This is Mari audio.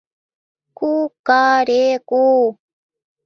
«Ку-ка-ре-ку!